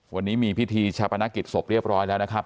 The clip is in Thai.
วันนี้มีพิธีชาปนกิจศพเรียบร้อยแล้วนะครับ